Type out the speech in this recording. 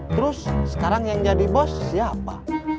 terus sekarang yang jadi bos siapa